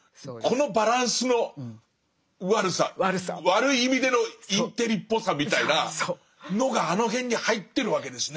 悪い意味でのインテリっぽさみたいなのがあの辺に入ってるわけですね。